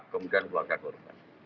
kemudian wakil korban